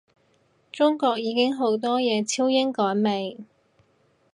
中國已經好多嘢超英趕美